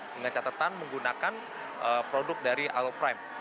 dengan catatan menggunakan produk dari alu prime